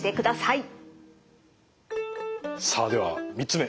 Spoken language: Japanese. さあでは３つ目。